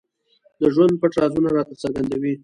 د ژوند پټ رازونه راته څرګندوي.